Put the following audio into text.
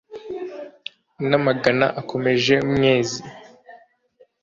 n’amagana akomoje mwezi